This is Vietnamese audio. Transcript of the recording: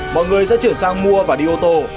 mọi người sẽ chuyển sang mua và đi ô tô